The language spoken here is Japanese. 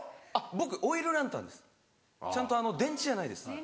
僕オイルランタンです電池じゃないです。